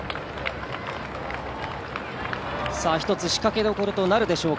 一つ仕掛けどころとなるでしょうか。